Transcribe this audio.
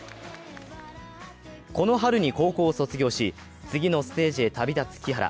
この春に高校を卒業し、次のステージへ旅立つ木原。